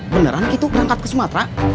beneran kita berangkat ke sumatera